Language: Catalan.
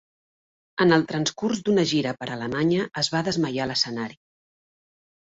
En el transcurs d'una gira per Alemanya es va desmaiar a l'escenari.